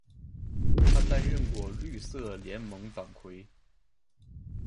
他担任过绿色联盟党魁。